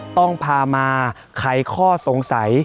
ต้องพามาไขข้อสงสัย